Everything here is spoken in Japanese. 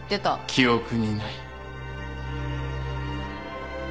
記憶にない。